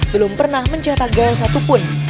belum pernah mencetak gaya satupun